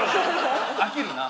飽きるな。